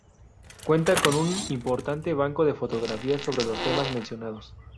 Cuenta con un importante banco de fotografías sobre los temas mencionados.